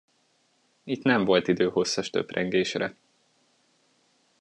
Itt nem volt idő hosszas töprengésre.